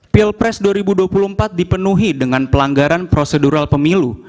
pilpres dua ribu dua puluh empat dipenuhi dengan pelanggaran prosedural pemilu